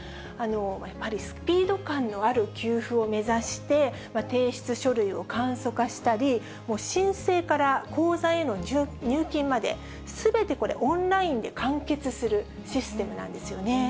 やっぱりスピード感のある給付を目指して、提出書類を簡素化したり、申請から口座への入金まで、すべてオンラインで完結するシステムなんですよね。